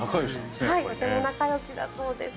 とても仲よしだそうです。